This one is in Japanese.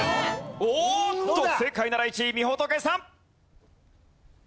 おーっと正解なら１位みほとけさん。